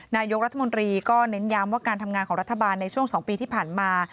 นายกรัฐมนตรีก็เน้นย้ำว่าการทำงานของรัฐบาลในช่วง๒ปีที่ผ่านมา